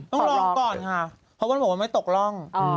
ต้องลองก่อนค่ะเพราะว่าผมไม่ตกล่อง